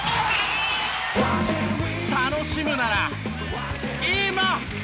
楽しむなら今！